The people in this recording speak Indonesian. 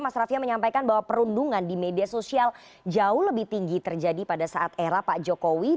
mas rafia menyampaikan bahwa perundungan di media sosial jauh lebih tinggi terjadi pada saat era pak jokowi